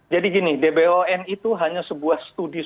jadi gini dbon itu hanya sebuah studio